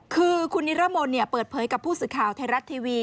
คือคุณนิรมนต์เปิดเผยกับผู้สื่อข่าวไทยรัฐทีวี